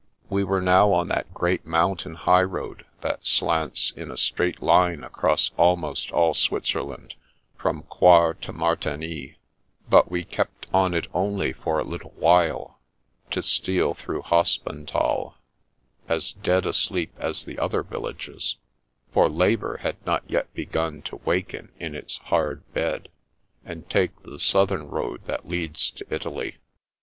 We were now on that great moimtain highroad that slants in a straight line across almost all Swit zerland from Coire to Martigny ; but we kept on it only for a little while, to steal through Hospenthal — as dead asleep as the other villages ( for Labour had not yet begun to waken in its hard bed), and take the southern road that leads to Italy.